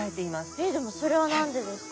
えっでもそれは何でですか？